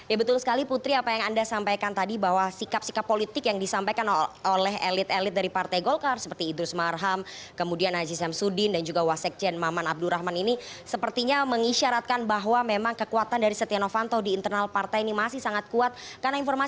ya betul sekali putri apa yang anda sampaikan tadi bahwa sikap sikap politik yang disampaikan oleh elit elit dari partai golkar